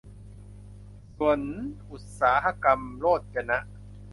สวนอุตสาหกรรมโรจนะ